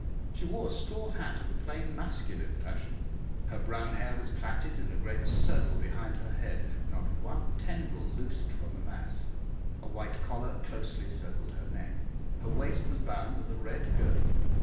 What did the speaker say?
She wore a straw hat of the plain masculine fashion; her brown hair was plaited in a great circle behind her head, not one tendril loosed from the mass; a white collar closely circled her neck; her waist was bound with a red girdle.